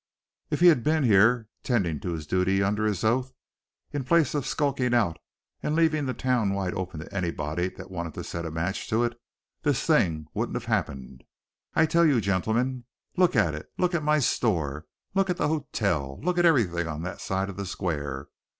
"If he'd 'a' been here tendin' to duty under his oath, in place of skulkin' out and leavin' the town wide open to anybody that wanted to set a match to it, this thing wouldn't 'a' happened, I tell you, gentlemen. Look at it! look at my store, look at the ho tel, look at everything on that side of the square!